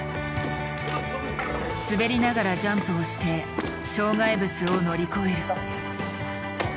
滑りながらジャンプをして障害物を乗り越える。